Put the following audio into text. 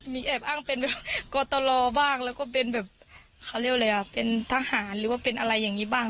มีแอบอ้างเป็นกตรบ้างแล้วก็เป็นแบบเขาเรียกอะไรอ่ะเป็นทหารหรือว่าเป็นอะไรอย่างนี้บ้าง